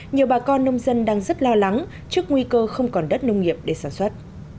nhiều bà con nông dân đang rất lo lắng trước nguy cơ không còn đất nông nghiệp để sản xuất